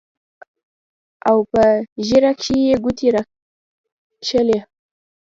او پۀ ږيره کښې يې ګوتې راښکلې